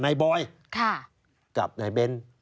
นายบอยกับนายเบ้น